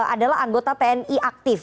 adalah anggota tni aktif